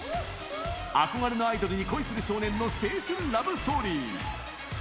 憧れのアイドルに恋する少年の青春ラブストーリー。